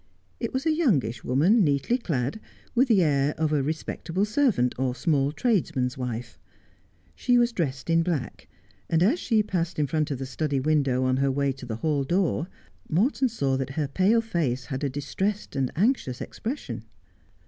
It was a youngish woman, neatly clad, with the air of a respectable servant, or small tradesman's wife. She was dressed in black, and as she passed in front of the study window on her way to the hall door, Morton saw that her pale face had a distressed and anxious expression.